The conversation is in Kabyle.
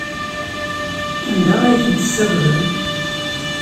Anda ay tent-tessagdem?